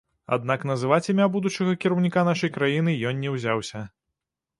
Аднак называць імя будучага кіраўніка нашай краіны ён не ўзяўся.